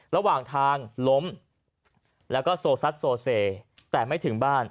ระหว่างทางล้มแล้วก็โซซัดโซเซแต่ไม่ถึงบ้าน